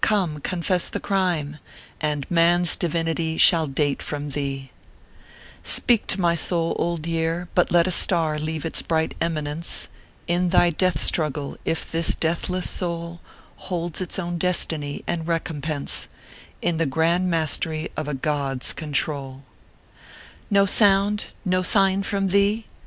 Come, confess the crime, And man s Divinity shall date from thee 1 " Speak to my soul, Old Year ; Let but a star leave its bright eminence In thy death struggle, if this deathless Soul Holds its own destiny and recompense In the grand mast ry of a GOD S control I " No sound, no sign from thee